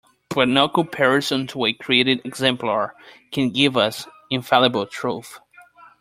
But no comparison to a created exemplar can give us infallible truth.